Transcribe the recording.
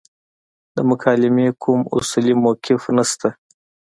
د مکالمې کوم اصولي موقف نشته.